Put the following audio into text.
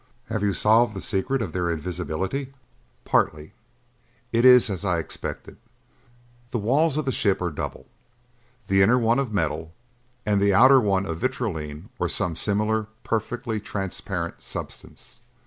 "Have you solved the secret of their invisibility?" "Partly. It is as I expected. The walls of the ship are double, the inner one of metal and the outer one of vitrolene or some similar perfectly transparent substance.